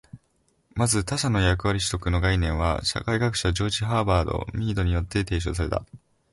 まず、「他者の役割取得」の概念は社会学者ジョージ・ハーバート・ミードによって提唱された。